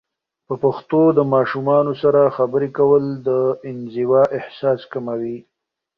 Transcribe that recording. په پښتو د ماشومانو سره خبرې کول، د انزوا احساس کموي.